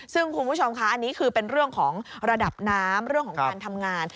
ซึ่งคุณผู้ชมคะอันนี้คือเป็นเรื่องของระดับน้ำเรื่องของการทำงาน